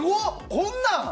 こんなん？